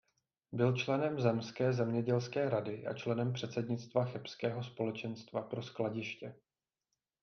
Byl členem zemské zemědělské rady a členem předsednictva chebského společenstva pro skladiště.